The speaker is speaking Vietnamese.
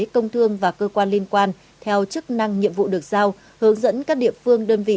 công thương và cơ quan liên quan theo chức năng nhiệm vụ được giao hướng dẫn các địa phương đơn vị